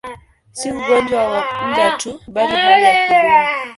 Si ugonjwa wa muda tu, bali hali ya kudumu.